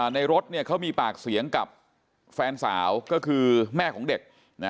ในรถเขามีปากเสียงกับแฟนสาวก็คือแม่ของเด็ก